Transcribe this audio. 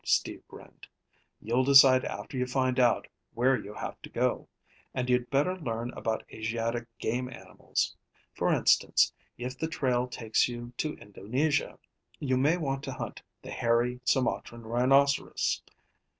Steve grinned. "You'll decide after you find out where you have to go. And you'd better learn about Asiatic game animals. For instance, if the trail takes you to Indonesia, you may want to hunt the hairy Sumatran rhinoceros.